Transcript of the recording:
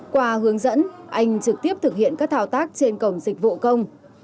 qua hướng dẫn anh trực tiếp thực hiện các thao tác trên cổng dịch vụ công